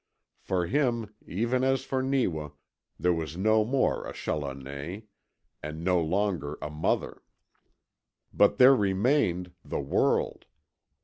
For him, even as for Neewa, there was no more a Challoner, and no longer a mother. But there remained the world!